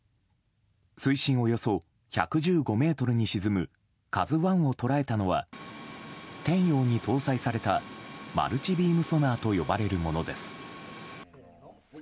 水深およそ１１５ｍに沈む「ＫＡＺＵ１」を捉えたのは「天洋」に搭載されたマルチビームソナーと呼ばれるものです。